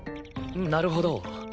なるほど。